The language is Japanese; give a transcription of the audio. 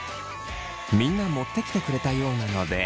みんな持ってきてくれたようなので。